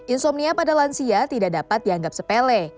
insomnia pada lansia tidak dapat dianggap sepele